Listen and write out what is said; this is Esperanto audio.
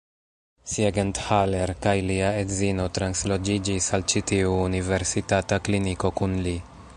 Siegenthaler kaj lia edzino transloĝiĝis al ĉi tiu universitata kliniko kun li.